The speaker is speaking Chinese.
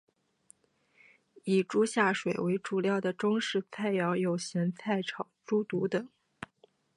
以猪下水为主料的中式菜肴有咸菜炒猪肚等。